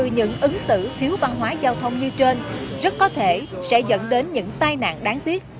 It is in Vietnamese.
những ứng xử thiếu văn hóa giao thông như trên rất có thể sẽ dẫn đến những tai nạn đáng tiếc